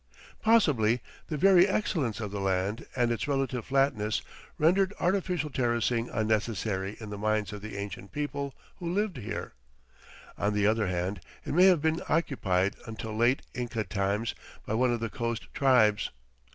Possibly the very excellence of the land and its relative flatness rendered artificial terracing unnecessary in the minds of the ancient people who lived here. On the other hand, it may have been occupied until late Inca times by one of the coast tribes.